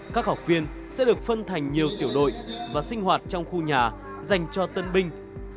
các học viên sẽ được phân thành nhiều tiểu đội và sinh hoạt trong khu nhà dành cho tân binh